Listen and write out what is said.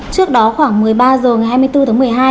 trước đó khoảng một mươi ba h ngày hai mươi bốn tháng một mươi hai